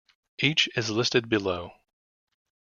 Each is listed below.